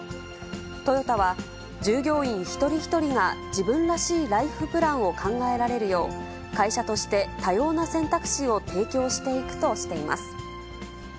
トヨタは、従業員一人一人が自分らしいライフプランを考えられるよう、会社として多様な選択肢を提供していくとしています。